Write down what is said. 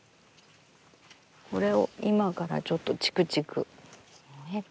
これを今からちょっとちくちく。